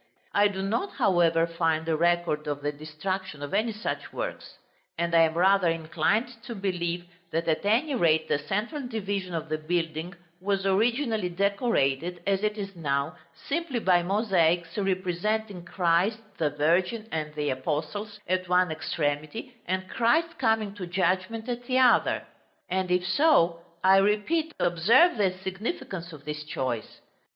I do not, however, find record of the destruction of any such works; and I am rather inclined to believe that at any rate the central division of the building was originally decorated, as it is now, simply by mosaics representing Christ, the Virgin, and the apostles, at one extremity, and Christ coming to judgment at the other. And if so, I repeat, observe the significance of this choice.